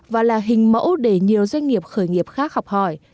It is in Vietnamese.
và là hình mẫu để nhiều doanh nghiệp khởi nghiệp khác học hỏi